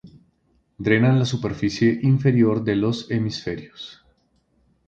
Drenan la superficie inferior de los hemisferios.